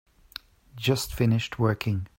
Just finished working.